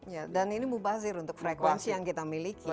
ya dan ini mubazir untuk frekuensi yang kita miliki